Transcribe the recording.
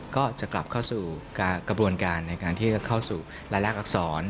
ก็จะกลับเข้าสู่กระบวนการในการที่จะเข้าสู่รายแรกอักษร